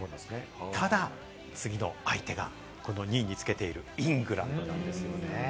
ただ、次の相手が２位につけているイングランドなんです。